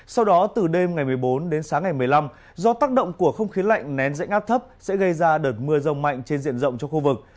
sau đó từ đêm ngày một mươi bốn đến sáng ngày một mươi năm do tác động của không khí lạnh nén rãnh áp thấp sẽ gây ra đợt mưa rông mạnh trên diện rộng cho khu vực